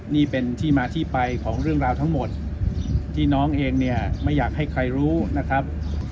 นี่เป็นที่มาที่ไปของเรื่องราวทั้งหมดที่น้องเองเนี่ยไม่อยากให้ใครรู้นะครับ